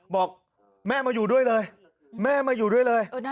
บอกแม่มาอยู่ด้วยเลยแม่มาอยู่ด้วยเลย